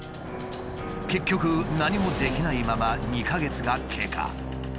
結局何もできないまま２か月が経過。